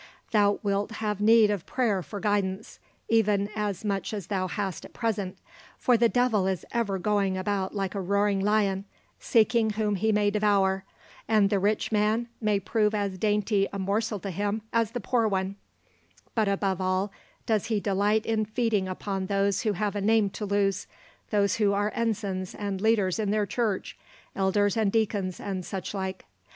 Thou wilt have need of prayer for guidance, even as much as thou hast at present, for the devil is ever going about like a roaring lion, seeking whom he may devour; and the rich man may prove as dainty a morsel to him as the poor one but above all does he delight in feeding upon those who have a name to lose, those who are ensigns and leaders in their church, elders and deacons, and such like.